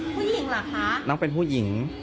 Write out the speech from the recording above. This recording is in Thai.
ผู้หญิงเหรอคะน้องเป็นผู้หญิง